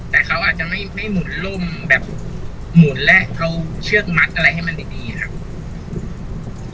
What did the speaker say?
แต่เขาอาจจะไม่หมุนร่มแบบหมุนและเอาเชือกมัดอะไรให้มันดีครับ